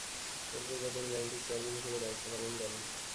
এরপূর্বে তিনি ব্যাংকটির চেয়ারম্যান হিসেবে দায়িত্ব পালন করেন।